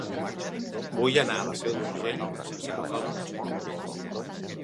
Vull anar a la Seu d'Urgell sense agafar el cotxe.